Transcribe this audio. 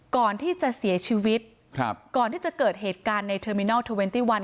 ก่อนที่จะเสียชีวิตก่อนที่จะเกิดเหตุการณ์ในเทอร์มินัล๒๑